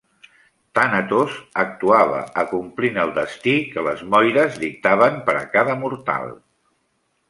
Tànatos actuava acomplint el destí que les Moires dictaven per a cada mortal.